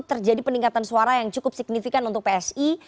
terjadi peningkatan suara yang cukup signifikan untuk psi